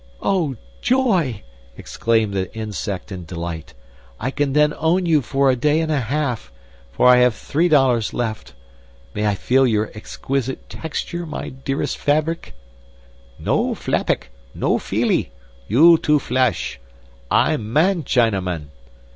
"Oh, joy," exclaimed the insect in delight; "I can then own you for a day and a half for I have three dollars left. May I feel your exquisite texture, my dearest Fabric?" "No flabic. No feelee. You too flesh. I man Chinaman!"